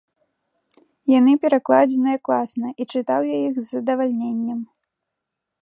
Яны перакладзеныя класна, і чытаў я іх з задавальненнем.